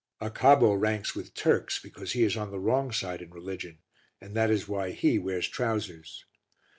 Acabbo ranks with Turks because he is on the wrong side in religion and that is why he wears trousers.